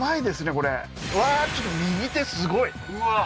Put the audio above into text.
これうわーちょっと右手すごいうわっ